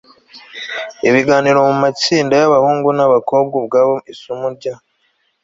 ibiganiro mu matsinda y abahungu n ay abakobwa ukwabo isomo rya